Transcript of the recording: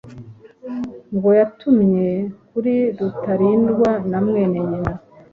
ngo yatumye kuri Rutalindwa na mwene nyina